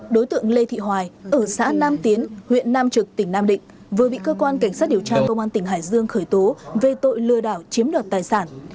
đối tượng lê thị hoài ở xã nam tiến huyện nam trực tỉnh nam định vừa bị cơ quan cảnh sát điều tra công an tỉnh hải dương khởi tố về tội lừa đảo chiếm đoạt tài sản